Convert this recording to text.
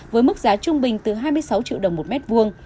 với mức giá trung bình từ hai mươi sáu triệu đồng một mét vuông